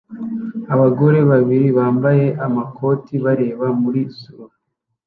Abagore babiri bambaye amakoti bareba muri surf